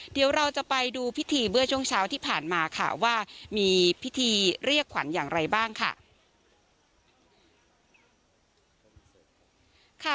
เดี๋ยวเราจะไปดูพิธีเมื่อช่วงเช้าที่ผ่านมาค่ะว่ามีพิธีเรียกขวัญอย่างไรบ้างค่ะ